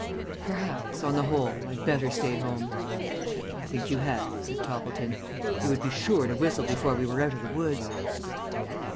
"Perhaps, on the whole, I'd better stay home." "I think you had," said Toppleton. "You would be sure to whistle before we were out of the woods."